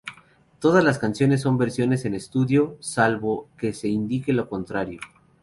Todas las canciones son versiones en estudio, salvo que se indique lo contrario.